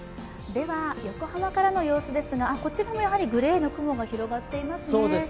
横浜からの様子ですがこちらもグレーの雲が広がっていますね。